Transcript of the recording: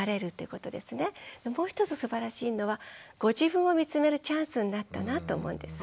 もう一つすばらしいのはご自分を見つめるチャンスになったなと思うんです。